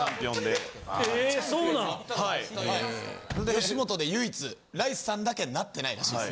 吉本で唯一ライスさんだけなってないらしいです